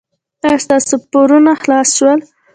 ایا ستاسو پورونه خلاص شول؟